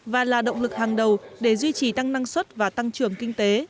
và là động lực hàng đầu để duy trì tăng năng suất và tăng trưởng kinh tế